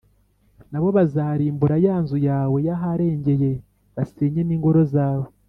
na bo bazarimbura ya nzu yawe y’aharengeye basenye n’ingoro zawe